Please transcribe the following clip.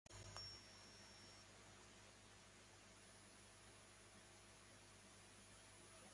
نشانه های نقطه گذاری